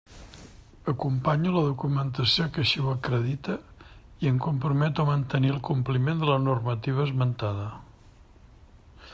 Acompanyo la documentació que així ho acredita i em comprometo a mantenir el compliment de la normativa esmentada.